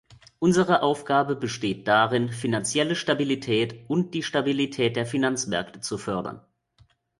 Unsere Aufgabe besteht darin, finanzielle Stabilität und die Stabilität der Finanzmärkte zu fördern.